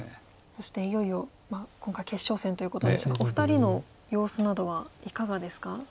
そしていよいよ今回決勝戦ということですがお二人の様子などはいかがですか？